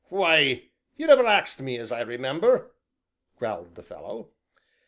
"Why, you never axed me as I remember," growled the fellow.